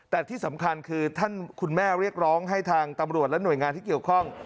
แต่ที่สำคัญคือท่านคุณแม่เรียกร้องให้ทางตำรวจและหน่วยงานที่เกี่ยวข้อง